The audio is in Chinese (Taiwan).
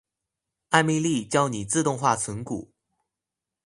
艾蜜莉教你自動化存股